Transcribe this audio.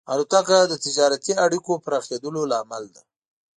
الوتکه د تجارتي اړیکو پراخېدلو لامل ده.